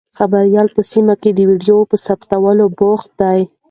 خبریال په سیمه کې د ویډیو په ثبتولو بوخت دی.